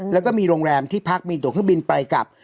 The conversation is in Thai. แล้วก็มีโรงแรมที่พักมีตัวเครื่องบินไปกับ